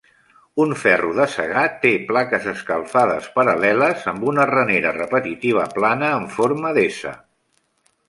Un ferro de segar té plaques escalfades paral·leles amb una ranera repetitiva plana en forma d'S.